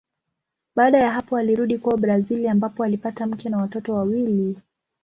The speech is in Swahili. Baada ya hapo alirudi kwao Brazili ambapo alipata mke na watoto wawili.